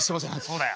そうだよ。